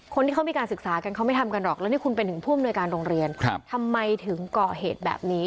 คนที่เขามีการศึกษากันเขาไม่ทำกันหรอกแล้วนี่คุณเป็นถึงผู้อำนวยการโรงเรียนทำไมถึงก่อเหตุแบบนี้